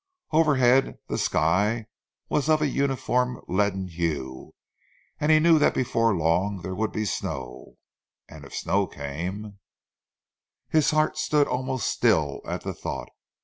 Overhead the sky was of a uniform leaden hue and he knew that before long there would be snow. And if snow came His heart stood almost still at the thought.